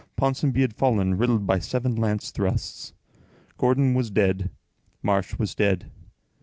Ponsonby had fallen, riddled by seven lance thrusts. Gordon was dead. Marsh was dead.